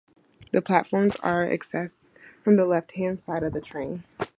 The platforms are accessed from the left-hand side of the train.